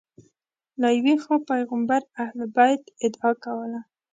له یوې خوا پیغمبر اهل بیت ادعا کوله